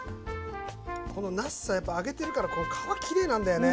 このなすさ揚げてるからこの皮きれいなんだよね。